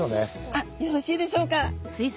あっよろしいでしょうか。